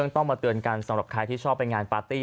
ต้องมาเตือนกันสำหรับใครที่ชอบไปงานปาร์ตี้